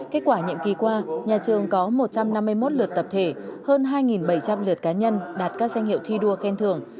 kết quả nhiệm kỳ qua nhà trường có một trăm năm mươi một lượt tập thể hơn hai bảy trăm linh lượt cá nhân đạt các danh hiệu thi đua khen thưởng